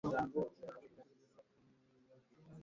Nimuvugirize impundu Uhoraho we mbaraga zacu